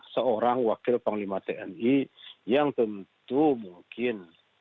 seorang wakil panglima tni yang tentu mungkin